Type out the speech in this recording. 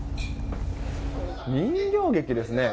人形劇ですね。